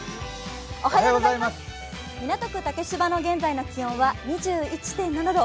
港区竹芝の現在の気温は２１．７度。